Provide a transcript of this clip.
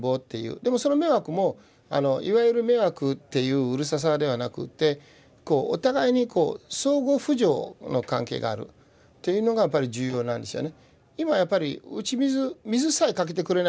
でもその迷惑もいわゆる迷惑っていううるささではなくってお互いにこう相互扶助の関係があるっていうのがやっぱり重要なんですよね。